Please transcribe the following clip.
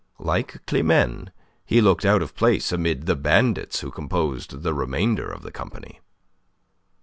Like Climene, he looked out of place amid the bandits who composed the remainder of the company.